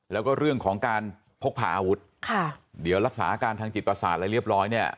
แล้วก็เรื่องของการพกผ่าอาวุธค่ะเดี๋ยวรักษาอาการทางจิตประสาทอะไรเรียบร้อยเนี่ย